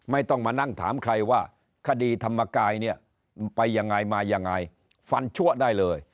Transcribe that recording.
ไม่ต้องมานั่งถามใครว่าคดีธรรมกายเนี่ยไปยังไงมายังไงฟันชั่วได้เลย